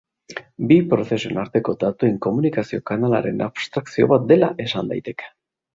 Bi prozesuen arteko datuen komunikazio-kanalaren abstrakzio bat dela esan daiteke.